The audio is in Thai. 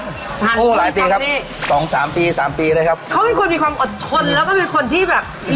โอ้โหหลายปีครับสองสามปีสามปีเลยครับเขาเป็นคนมีความอดทนแล้วก็เป็นคนที่แบบ